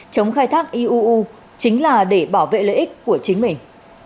chống khai thác iuu chính là để bảo vệ lợi ích của chính mình